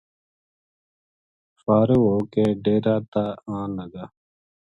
فارغ ہو کے ڈیرا تا آں لگا